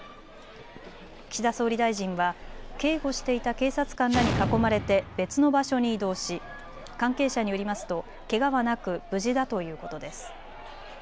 岸田総理大臣は警護していた警察官らに囲まれて別の場所に移動し関係者によりますとけがはなく無事だということです。